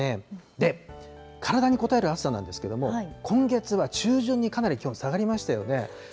で、体にこたえる暑さなんですけども、今月は中旬にかなり気温下がりましたよね。